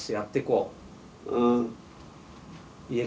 うん。